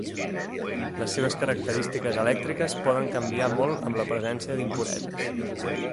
Les seves característiques elèctriques poden canviar molt amb la presència d'impureses.